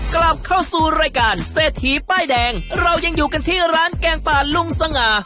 กลับเข้าสู่รายการเศรษฐีป้ายแดงเรายังอยู่กันที่ร้านแกงป่าลุงสง่า